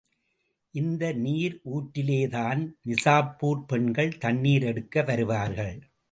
இந்த நீர் ஊற்றிலேதான், நிஜாப்பூர் பெண்கள் தண்ணீர் எடுக்க வருவார்கள்.